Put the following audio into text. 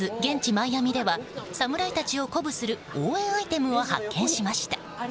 マイアミでは侍たちを鼓舞する応援アイテムを発見しました。